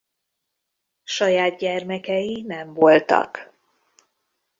Saját gyermekei nem voltak.